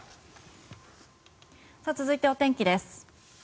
続いてお天気です。